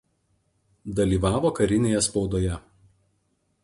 Dalyvavo karinėje spaudoje.